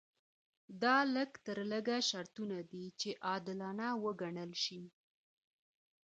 دا لږ تر لږه شرطونه دي چې عادلانه وګڼل شي.